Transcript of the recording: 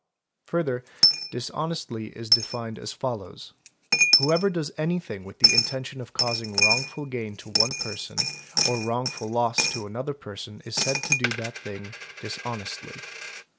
Further "dishonestly"' is defined as follows: "whoever does anything with the intention of causing wrongful gain to one person or wrongful loss to another person is said to do that thing dishonestly".